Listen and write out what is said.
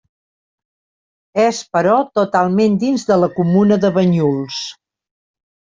És, però, totalment dins de la comuna de Banyuls.